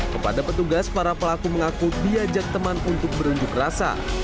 kepada petugas para pelaku mengaku diajak teman untuk berunjuk rasa